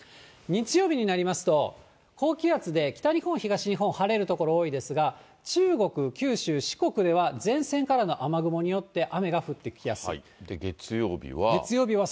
日曜日になりますと、高気圧で北日本、東日本、晴れる所、多いですが、中国、九州、四国では、前線からの雨雲によって、月曜日は。